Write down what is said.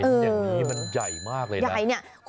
อย่างนี้มันใหญ่มากเลยนะ